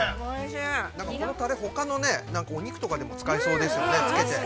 ◆このタレ、ほかのお肉とかでも使えそうですよね、つけて。